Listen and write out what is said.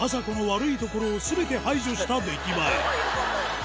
この悪いところを全て排除した出来栄え